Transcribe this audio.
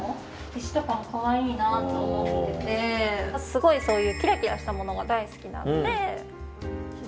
すごいそういうキラキラしたものが大好きなんで。